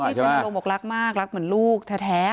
ชัยนรงค์บอกรักมากรักเหมือนลูกแท้